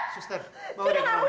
sudah gak mau dengar apa apa pun